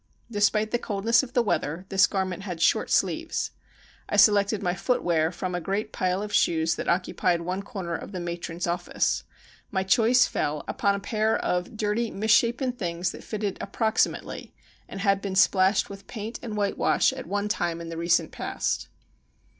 Despite the coldness of the weather, this garment had short sleeves. I selected my footwear from a great pile of shoes that occupied one corner of the matron's office. My choice fell upon, a pair of dirty misshapen things that fitted approximately and had been splashed with paint and whitewash at one time ivi the recent past.